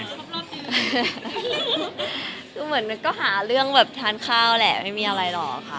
คือเหมือนก็หาเรื่องแบบทานข้าวแหละไม่มีอะไรหรอกค่ะ